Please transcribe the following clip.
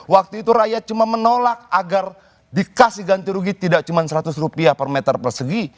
waktu itu rakyat cuma menolak agar dikasih ganti rugi tidak cuma seratus rupiah per meter persegi